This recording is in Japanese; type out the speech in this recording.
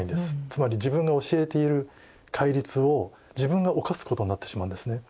つまり自分が教えている戒律を自分が犯すことになってしまうんですね。